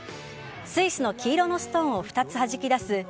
スイスの黄色のストーンを２つはじき出す